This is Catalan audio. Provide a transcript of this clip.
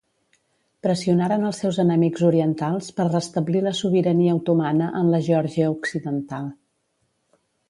Pressionaren els seus enemics orientals per restablir la sobirania otomana en la Geòrgia occidental.